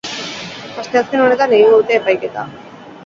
Asteazken honetan egingo dute epaiketa.